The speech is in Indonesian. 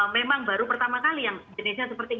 memang baru pertama kali